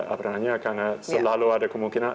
apalagi karena selalu ada kemungkinan